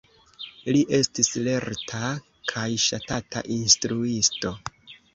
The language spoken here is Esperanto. Li estis lerta kaj ŝatata instruisto.